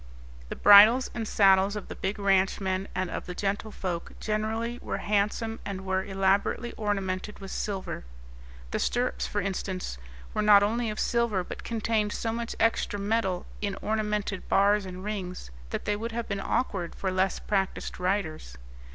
The bridles and saddles of the big ranchmen and of the gentlefolk generally were handsome and were elaborately ornamented with silver. The stirrups, for instance, were not only of silver, but contained so much extra metal in ornamented bars and rings that they would have been awkward for less practised riders.